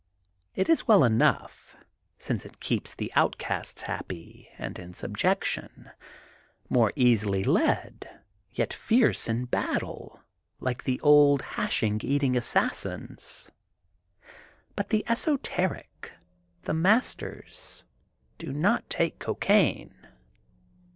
It is well enough since it keeps the outcasts happy and in subjection, more easily led, yet fierce in battle like the old hashish eating assassins. But the esoteric, the masters, do not take cocaine.